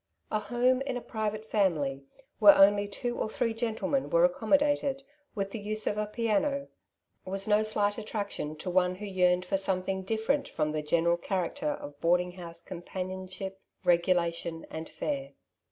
'* A home in a private family, where only two or three gentlemen were accommodated, with the use of a piano,^^ was no slight attraction to one who yearned for something different from the general character ot boarding house companionship, regula Boarding House Experiences, 41 tion, and fare.